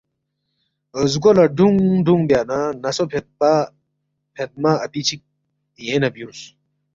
زگو لہ ڈوُنگ ڈوُنگ بیا نہ نسو فیدمہ اپی چِک یینگ نہ بیُونگس